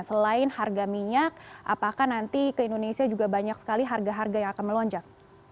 selain harga minyak apakah nanti ke indonesia juga banyak sekali harga harga yang akan melonjak